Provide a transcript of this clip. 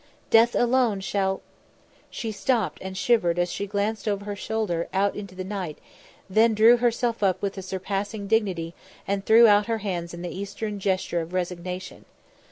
Death alone shall " She stopped and shivered as she glanced over her shoulder out into the night, then drew herself up with a surpassing dignity and threw out her hands in the Eastern gesture of resignation.